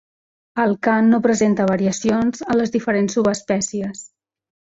El cant no presenta variacions en les diferents subespècies.